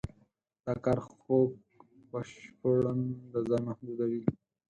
دا کار خوک بشپړاً د ځای محدودوي.